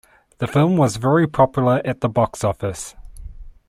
The film was very popular at the box office.